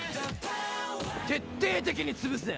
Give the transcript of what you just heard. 徹底的に潰せ！